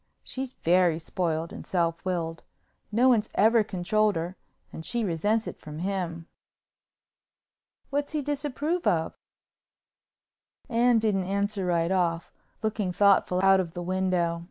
She's very spoiled and self willed. No one's ever controlled her and she resents it from him." "What's he disapprove of?" Anne didn't answer right off, looking thoughtful out of the window.